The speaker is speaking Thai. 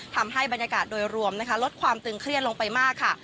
ทำให้บรรยากาศโดยรวมนะคะลดความตึงเครียดลงไปมากค่ะ